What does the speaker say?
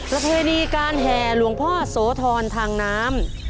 ประเพณีการแห่หลวงพ่อโสธรทางน้ำ